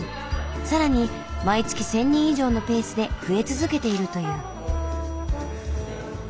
更に毎月１，０００人以上のペースで増え続けているという。